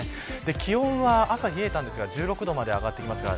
気温は朝冷えましたが１６度まで上がってきました。